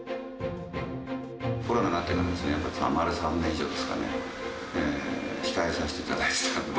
コロナになってから丸３年以上ですかね、控えさせていただいてたんで。